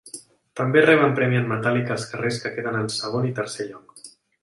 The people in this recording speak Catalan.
També reben premi en metàl·lic els carrers que queden en segon i tercer lloc.